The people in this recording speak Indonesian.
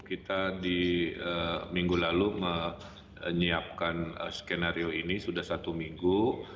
kita di minggu lalu menyiapkan skenario ini sudah satu minggu